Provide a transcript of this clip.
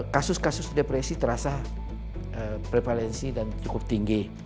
kasus kasus depresi terasa prevalensi dan cukup tinggi